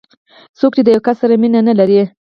څوک چې د یو کس سره مینه نه لري.